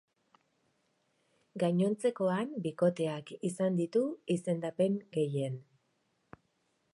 Gainontzekoan, bikoteak izan ditu izendapen gehien.